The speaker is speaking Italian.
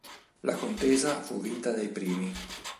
La contesa fu vinta dai primi.